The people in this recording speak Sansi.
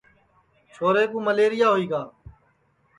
ریماں کُو مئلیریا ہوئی گا